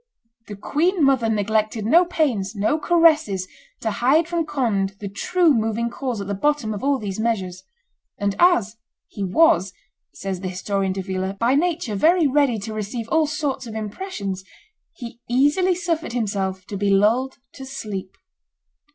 The queen mother neglected no pains, no caresses, to hide from Conde the true moving cause at the bottom of all these measures; and as "he was," says the historian Davila, "by nature very ready to receive all sorts of impressions," he easily suffered himself to be lulled to sleep.